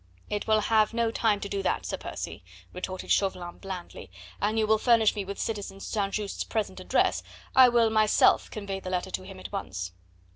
"It will have no time to do that, Sir Percy," retorted Chauvelin blandly; "an you will furnish me with citizen St. Just's present address, I will myself convey the letter to him at once."